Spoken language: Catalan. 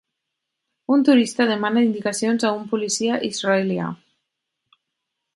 Un turista demana indicacions a un policia israelià.